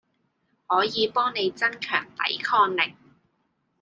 可以幫你增強抵抗力